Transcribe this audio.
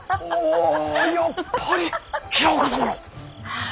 おやっぱり平岡様の！